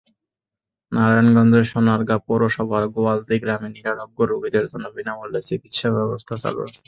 নারায়ণগঞ্জের সোনারগাঁ পৌরসভার গোয়ালদী গ্রামে নিরারোগ্য রোগীদের জন্য বিনা মূল্যে চিকিৎসাব্যবস্থা চালু হচ্ছে।